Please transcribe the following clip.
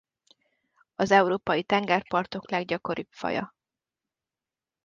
Az európai tengerpartok leggyakoribb faja.